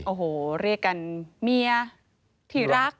โอ้โหเรียกกันเมียที่รัก